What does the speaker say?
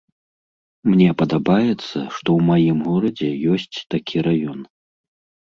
Мне падабаецца, што ў маім горадзе ёсць такі раён.